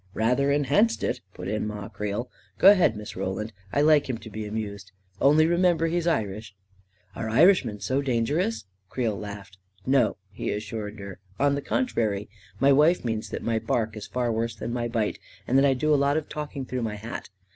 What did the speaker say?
" Rather enhanced it !" put in Ma Creel. " Go ahead, Miss Roland — I like him to be amused. Only remember, he's Irish !" "Are Irishmen so dangerous?" Creel laughed. "No," he assured her; "on the contrary. My wife means that my bark is far worse than my bite, and that I do a lot of talking through my hat.